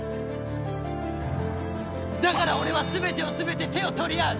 だから俺は全てを統べて手を取り合う！